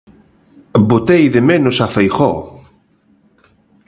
Botei de menos a Feijóo.